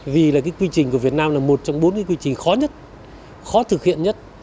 vì là cái quy trình của việt nam là một trong bốn cái quy trình khó nhất khó thực hiện nhất